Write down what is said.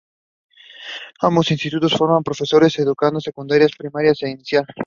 Ambos institutos forman profesores en educación secundaria, primaria e inicial.